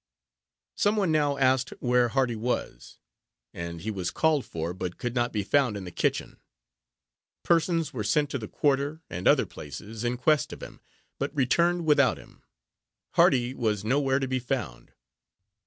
Some one now asked where Hardy was, and he was called for, but could not be found in the kitchen. Persons were sent to the quarter, and other places, in quest of him, but returned without him. Hardy was nowhere to be found.